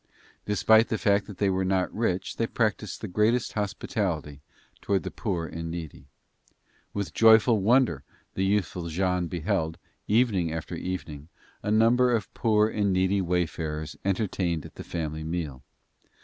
Despite the fact that they were not rich they practiced the greatest hospitality toward the poor and needy. With joyful wonder the youthful Jean beheld, evening after evening, a number of poor and needy wayfarers entertained at the family meal.